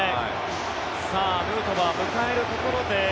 ヌートバーを迎えるところで。